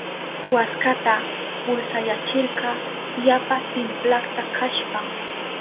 Waskata pulsayachirka yapa timplakta kashpan.